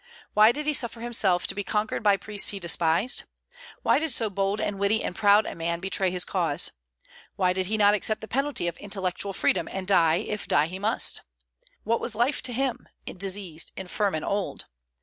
Why did he suffer himself to be conquered by priests he despised? Why did so bold and witty and proud a man betray his cause? Why did he not accept the penalty of intellectual freedom, and die, if die he must? What was life to him, diseased, infirm, and old?